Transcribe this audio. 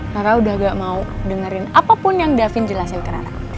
karena udah gak mau dengerin apapun yang davin jelasin ke nara